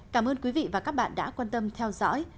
cảm ơn quý vị và các bạn đã quan tâm theo dõi